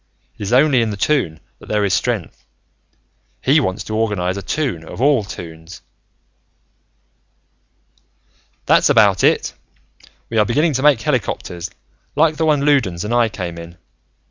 "It is only in the Toon that there is strength. He wants to organize a Toon of all Toons." "That's about it. We are beginning to make helicopters, like the one Loudons and I came in.